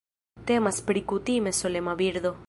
Temas pri kutime solema birdo.